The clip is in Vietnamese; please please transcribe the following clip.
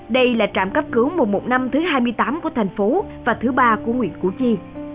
đây là trạm cấp cứu một trăm một mươi năm thứ hai mươi tám của thành phố và thứ ba của huyện củ chi